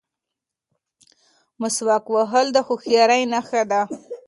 مسواک وهل د هوښیارۍ نښه ده.